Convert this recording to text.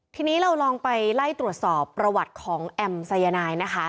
ทีนี้เราลองไปไล่ตรวจสอบประวัติของแอมสายนายนะคะ